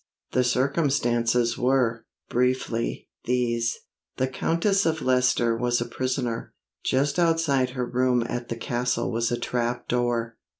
The circumstances were, briefly, these. The Countess of Leicester was a prisoner. Just outside her room at the castle was a trapdoor.